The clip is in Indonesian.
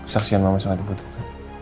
saksian mama sangat dibutuhkan